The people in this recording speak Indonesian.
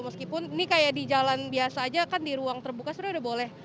meskipun ini kayak di jalan biasa aja kan di ruang terbuka sebenarnya udah boleh